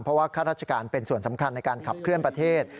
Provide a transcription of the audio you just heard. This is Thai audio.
เพราะว่าข้าราชการเป็นส่วนสำคัญในการขับเคลื่อนประเทศ